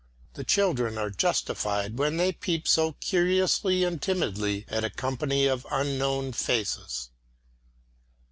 The children are justified, when they peep so curiously and timidly at a company of unknown faces.